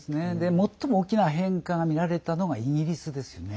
最も大きな変化が見られたのがイギリスですよね。